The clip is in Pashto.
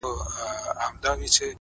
هره تجربه د فکر پراخوالی زیاتوي،